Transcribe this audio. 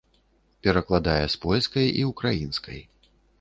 Перакладае з польскай і ўкраінскай.